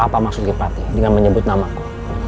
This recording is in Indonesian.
apa maksud kupati dengan menyebut namaku